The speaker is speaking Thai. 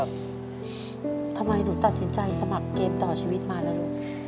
ทำไมหนูตัดสินใจสมัครเกมต่อชีวิตมาล่ะลูก